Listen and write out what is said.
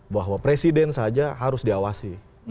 bahwa presiden saja harus diawasi